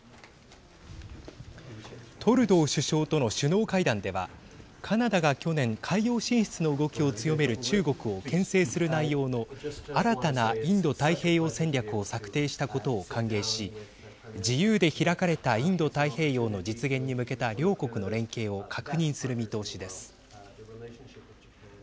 トルドー首相との首脳会談ではカナダが去年、海洋進出の動きを強める中国をけん制する内容の新たなインド太平洋戦略を策定したことを歓迎し自由で開かれたインド太平洋の実現に向けた両国の連携を確認する見通しです。